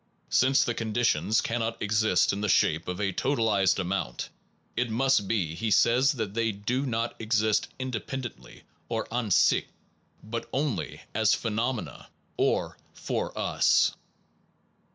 Since the conditions cannot exist in the shape of a totalized amount, it must be, he says, that they do not exist independently or an sich, but only as phenomena, or for us.